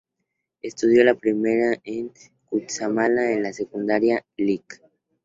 Estudió la primaria en Cutzamala, en la escuela "Lic.